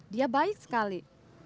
dia baik sekali